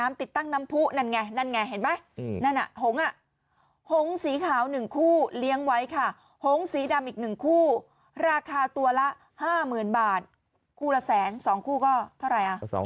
๖ไร้๒งานโอ้ยโอ้ยโอ้ยโอ้ยโอ้ยโอ้ยโอ้ยโอ้ยโอ้ยโอ้ยโอ้ยโอ้ย